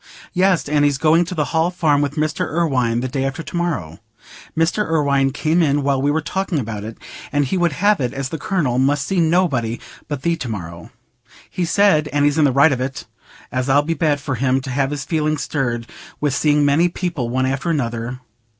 "Yes, and he's going to the Hall Farm with Mr. Irwine the day after to morrow. Mr. Irwine came in while we were talking about it, and he would have it as the Colonel must see nobody but thee to morrow. He said—and he's in the right of it—as it'll be bad for him t' have his feelings stirred with seeing many people one after another.